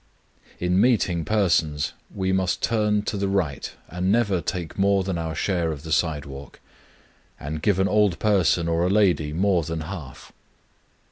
In meeting persons, we must turn to the right, and never take more than our share of the sidewalk, and give an old person or a lady more than half.